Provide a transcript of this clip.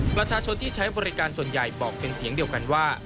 ประชาชนที่ใช้บริการส่วนใหญ่บอกเป็นเสียงเดียวกันว่า